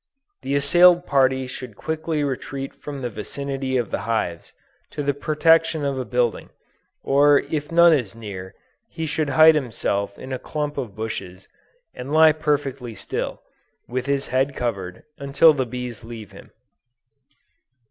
The assailed party should quickly retreat from the vicinity of the hives, to the protection of a building, or if none is near, he should hide himself in a clump of bushes, and lie perfectly still, with his head covered, until the bees leave him.